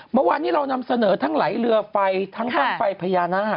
เมื่อวานนี้เรานำเสนอทั้งไหลเรือไฟทั้งบ้างไฟพญานาค